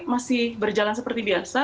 masih berjalan seperti biasa